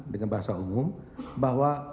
dengan bahasa umum bahwa